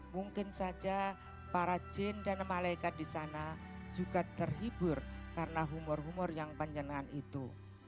mungkin saja para jin dan malaikat di sana juga terhibur karena humor humor yang panjenengan itu